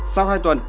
sau hai tuần